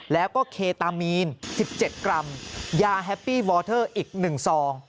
แล้วก็เคตามีน๑๗กรัมยาแฮปปี้วอเทอร์อีก๑ซอง